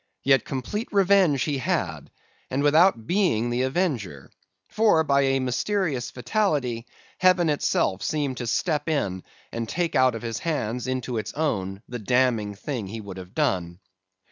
Yet complete revenge he had, and without being the avenger. For by a mysterious fatality, Heaven itself seemed to step in to take out of his hands into its own the damning thing he would have done.